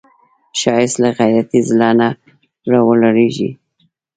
ښایست له غیرتي زړه نه راولاړیږي